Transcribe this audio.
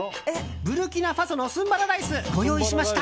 ブルキナファソのスンバラライスご用意しました。